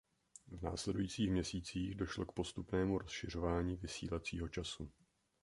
V následujících měsících došlo k postupnému rozšiřování vysílacího času.